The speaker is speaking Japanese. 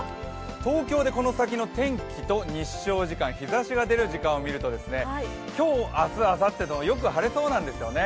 東京でこの先の天気と日照時間、日ざしが出る時間を見ると今日、明日、あさってとよく晴れそうなんですよね。